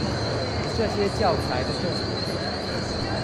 這些教材的重點